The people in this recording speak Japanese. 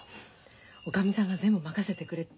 おかみさんが全部任せてくれって。